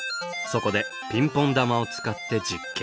そこでピンポン球を使って実験。